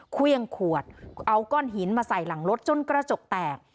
เครื่องขวดเอาก้อนหินมาใส่หลังรถจนกระจกแตก